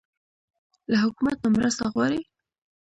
له حکومت نه مرسته غواړئ؟